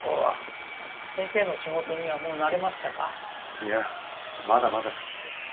いやまだまだ。